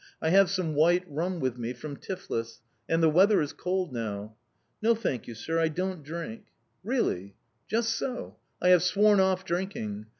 "I have some white rum with me from Tiflis; and the weather is cold now." "No, thank you, sir; I don't drink." "Really?" "Just so. I have sworn off drinking.